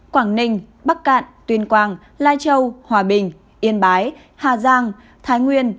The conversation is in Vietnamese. quảng ninh bắc cạn tuyên quang lai châu hòa bình yên bái hà giang thái nguyên